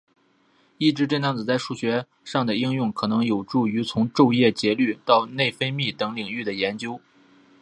抑制震荡子在数学上的应用可能有助于从昼夜节律到内分泌等领域的研究。